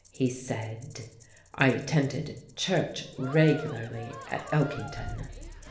he said.... I attended church regularly at Elkington....